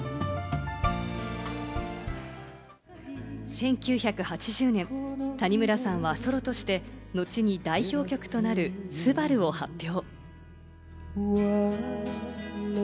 １９８０年、谷村さんはソロとして後に代表曲となる『昴』を発表。